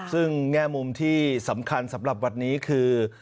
ซึ่งแง่มุมที่สำคัญสำหรับวันนี้คือ